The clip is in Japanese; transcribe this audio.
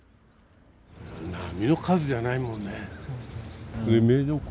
並みの数じゃないもんね。